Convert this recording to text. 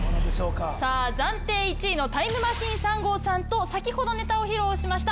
暫定１位のタイムマシーン３号さんと先ほどネタを披露しました